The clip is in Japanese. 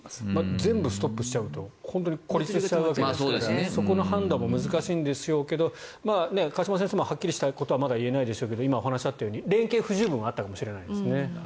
全部ストップしちゃうと本当に孤立しちゃうわけですからそこの判断も難しいんでしょうけど河島先生もはっきりしたことはまだ言えないでしょうけど今、お話にあったように連携不十分はあったかもしれないですね。